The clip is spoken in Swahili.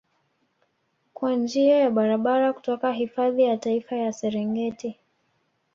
kwa njia ya barabara kutoka hifadhi ya Taifa ya Serengeti